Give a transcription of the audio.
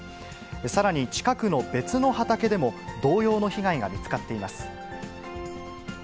さらに、近くの別の畑でも、同様の被害が見つかっています。